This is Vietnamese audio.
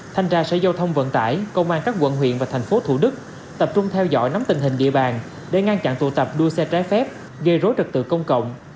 thanh tra sở giao thông vận tải công an các quận huyện và thành phố thủ đức tập trung theo dõi nắm tình hình địa bàn để ngăn chặn tụ tập đua xe trái phép gây rối trật tự công cộng